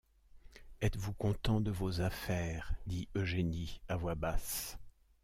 êtes-vous content de vos affaires ? dit Eugénie à voix basse.